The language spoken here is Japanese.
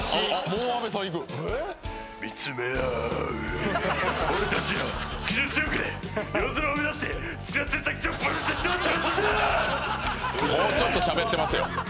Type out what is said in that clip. もうちょっとしゃべってますよ。